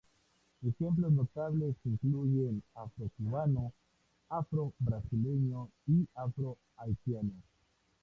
Ejemplos notables incluyen afrocubano, afro-brasileño, y afro-haitiano.